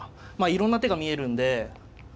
いろんな手が見えるんで。